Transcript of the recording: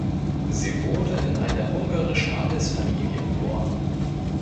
Sie wurde in eine ungarische Adelsfamilie geboren.